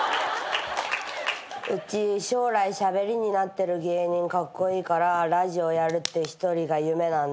「うち将来しゃべりになってる芸人カッコイイからラジオやるって１人が夢なんだ」